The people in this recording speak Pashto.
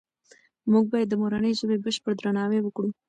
موږ باید د مورنۍ ژبې بشپړ درناوی وکړو.